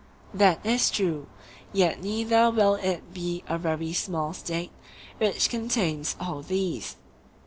That is true; yet neither will it be a very small State which contains all these.